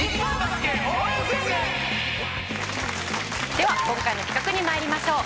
では今回の企画に参りましょう。